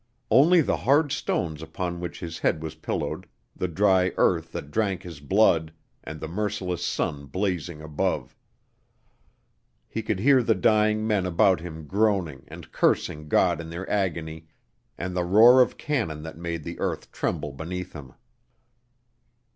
Only the hard stones upon which his head was pillowed, the dry earth that drank his blood, and the merciless sun blazing above. He could hear the dying men about him groaning and cursing God in their agony, and the roar of cannon that made the earth tremble beneath him.